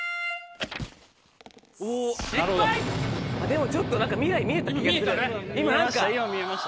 でもちょっと何か未来見えた気がする今何か。